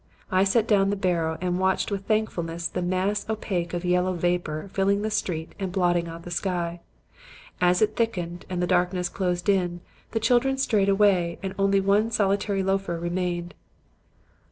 I set down the barrow and watched with thankfulness the mass of opaque yellow vapor filling the street and blotting out the sky. As it thickened and the darkness closed in, the children strayed away and only one solitary loafer remained.